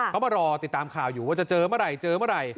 เขามารอติดตามข่าวอยู่ว่าจะเจอเมื่อไหร่